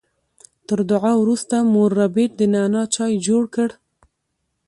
تر دعا وروسته مور ربیټ د نعنا چای جوړ کړ